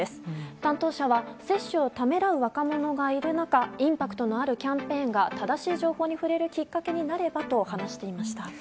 担当者は接種をためらう若者がいる中インパクトのあるキャンペーンが正しい情報に触れるきっかけになればと話していました。